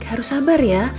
harus sabar ya